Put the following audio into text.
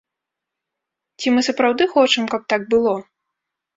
Ці мы сапраўды хочам, каб так было?